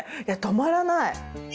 いや止まらない。